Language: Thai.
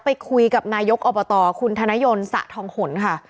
ไปคุยกับนายกอบตคุณธนยนสะทองหลค่ะ